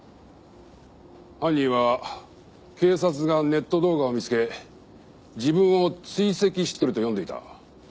犯人は警察がネット動画を見つけ自分を追跡してくると読んでいた。